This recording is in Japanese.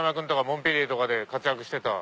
モンペリエとかで活躍してた。